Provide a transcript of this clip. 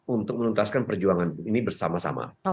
untuk menuntaskan perjuangan ini bersama sama